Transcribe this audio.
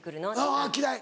あぁ嫌い。